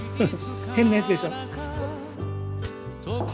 変なやつでしょ？